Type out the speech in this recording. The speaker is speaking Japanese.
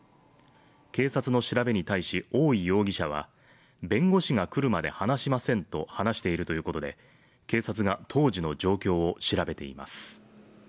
警察の調べに対し、大井容疑者は弁護士が来るまで話しませんと話しているということで警察が当時の状況を調べています。